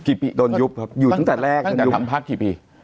กี่ปีโดนยุบครับอยู่ตั้งแต่แรกตั้งแต่ทำภาคกี่ปี